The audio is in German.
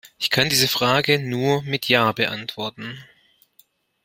Ich kann diese Frage nur mit Ja beantworten.